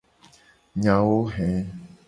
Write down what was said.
Nyawo he.